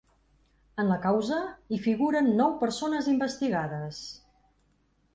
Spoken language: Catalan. En la causa hi figuren nou persones investigades.